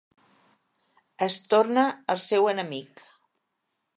Es torna el seu enemic.